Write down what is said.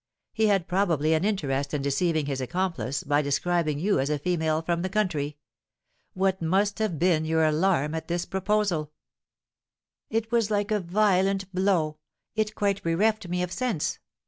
He had probably an interest in deceiving his accomplice by describing you as a female from the country. What must have been your alarm at this proposal?" "It was like a violent blow; it quite bereft me of sense.